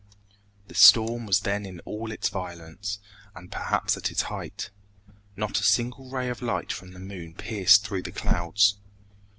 The storm was then in all its violence, and perhaps at its height. Not a single ray of light from the moon pierced through the clouds.